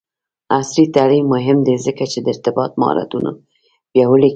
عصري تعلیم مهم دی ځکه چې د ارتباط مهارتونه پیاوړی کوي.